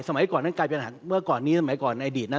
สมัยก่อนนั้นกลายเป็นอาหารเมื่อก่อนนี้สมัยก่อนในอดีตนั้น